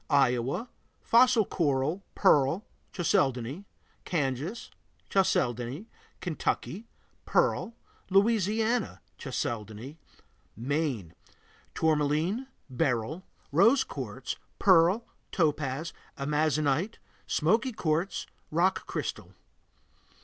Iowa Fossil coral, pearl, chalcedony. Kansas Chalcedony. Kentucky Pearl. Louisiana Chalcedony. Maine Tourmaline, beryl, rose quartz, pearl, topaz, amazonite, smoky quartz, rock crystal.